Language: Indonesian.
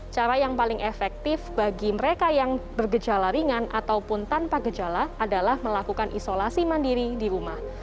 cara yang paling efektif bagi mereka yang bergejala ringan ataupun tanpa gejala adalah melakukan isolasi mandiri di rumah